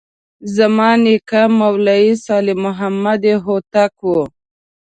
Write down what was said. زما نیکه مولوي صالح محمد هوتک و.